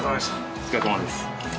お疲れさまです。